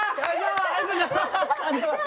ありがとうございます！